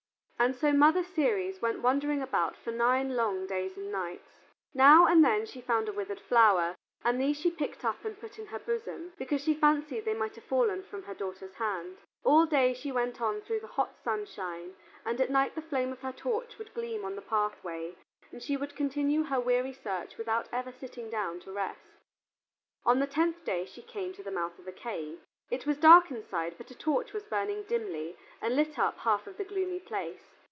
And so Mother Ceres went wandering about for nine long days and nights. Now and then she found a withered flower, and these she picked up and put in her bosom, because she fancied they might have fallen from her daughter's hand. All day she went on through the hot sunshine, and at night the flame of her torch would gleam on the pathway, and she would continue her weary search without ever sitting down to rest. On the tenth day she came to the mouth of a cave. It was dark inside, but a torch was burning dimly and lit up half of the gloomy place.